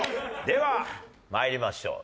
では参りましょう。